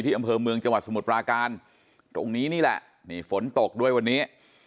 อำเภอเมืองจังหวัดสมุทรปราการตรงนี้นี่แหละนี่ฝนตกด้วยวันนี้